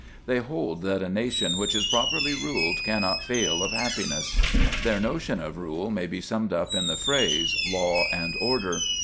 They hold that a nation which is properly ruled cannot fail of happiness. Their notion of rule may be summed up in the phrase, "Law and order."